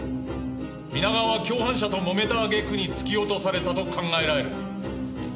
皆川は共犯者と揉めた揚げ句に突き落とされたと考えられる。